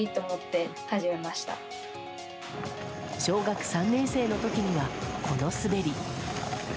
小学３年生の時には、この滑り。